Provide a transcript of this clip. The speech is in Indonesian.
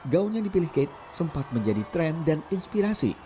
gaun yang dipilih kate sempat menjadi tren dan inspirasi